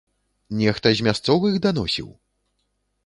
Нехта з мясцовых даносіў?